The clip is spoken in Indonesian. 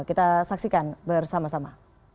kita saksikan bersama sama